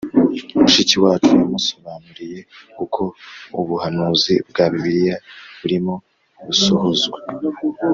mushiki wacu yamusobanuriye uko ubuhanuzi bwa Bibiliya burimo busohozwa